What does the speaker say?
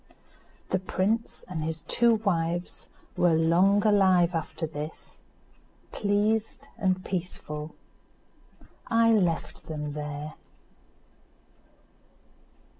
The prince and his two wives were long alive after this, pleased and peaceful. I left them there.